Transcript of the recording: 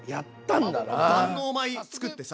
万能米つくってさ。